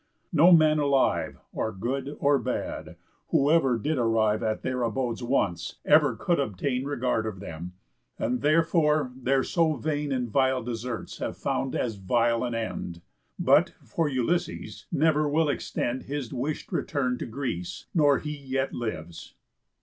No man alive, Or good or bad, whoever did arrive At their abodes once, ever could obtain Regard of them; and therefore their so vain And vile deserts have found as vile an end. But, for Ulysses, never will extend His wish'd return to Greece, nor he yet lives."